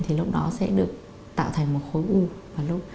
thì lúc đó sẽ được tạo thành một khối u